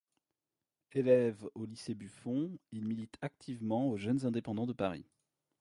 Élève au Lycée Buffon, il milite activement aux Jeunes indépendants de Paris.